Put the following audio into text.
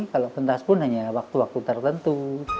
kalau pentas pun hanya waktu waktu tertentu